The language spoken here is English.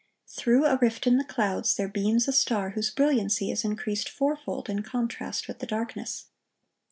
(1099) Through a rift in the clouds, there beams a star whose brilliancy is increased fourfold in contrast with the darkness.